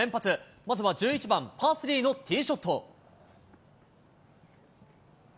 まずは１１番パー３のティーショット。